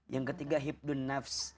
yang ketiga hibdun nafs